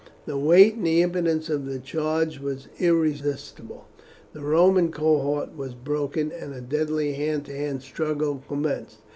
The weight and impetus of the charge was irresistible. The Roman cohort was broken, and a deadly hand to hand struggle commenced.